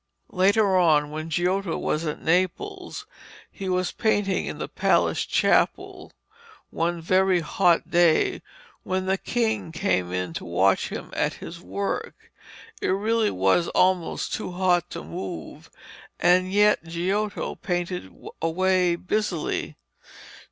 Later on, when Giotto was at Naples, he was painting in the palace chapel one very hot day, when the king came in to watch him at his work. It really was almost too hot to move, and yet Giotto painted away busily.